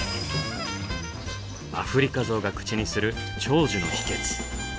アフリカゾウが口にする長寿の秘訣。